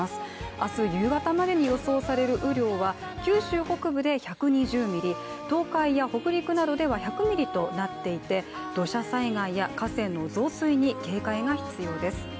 あす夕方までに予想される雨量は九州北部で１２０ミリ、東海や北陸などでは１００ミリとなっていて土砂災害や河川の増水に警戒が必要です。